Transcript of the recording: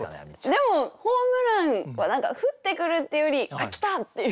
でもホームランは何か降ってくるっていうより「あっ来た！」っていう。